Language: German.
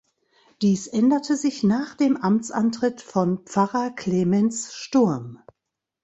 Dies änderte sich nach dem Amtsantritt von Pfarrer Klemens Sturm.